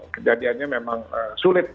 kejadiannya memang sulit